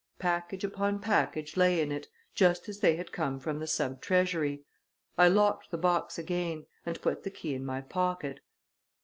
Package upon package lay in it, just as they had come from the sub treasury. I locked the box again, and put the key in my pocket.